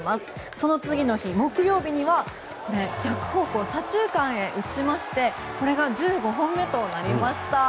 その次の日、木曜日にはこれは逆方向左中間へ打ちましてこれが１５本目となりました。